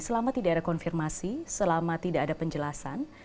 selama tidak ada konfirmasi selama tidak ada penjelasan